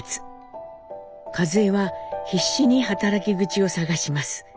和江は必死に働き口を探します。